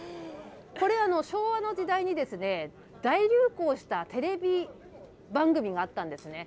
これ、昭和の時代に大流行したテレビ番組があったんですね。